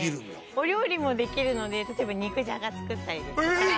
お料理もできるので例えば肉じゃが作ったりですとか。